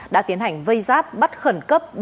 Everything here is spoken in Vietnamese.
đã tiến hành vây giáp bắt khẩn cấp